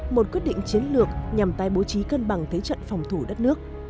một quyết định chiến lược nhằm tay bố trí cân bằng thế trận phòng thủ đất nước